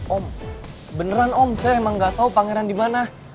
om beneran om saya emang gak tau pangeran dimana